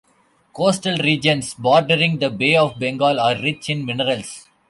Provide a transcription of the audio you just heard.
Coastal regions bordering the Bay of Bengal are rich in minerals.